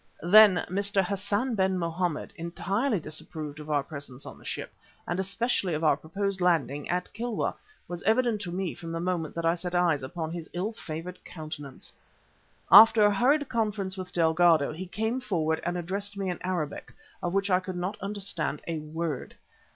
That Mr. Hassan ben Mohammed entirely disapproved of our presence on the ship, and especially of our proposed landing at Kilwa, was evident to me from the moment that I set eyes upon his ill favoured countenance. After a hurried conference with Delgado, he came forward and addressed me in Arabic, of which I could not understand a word.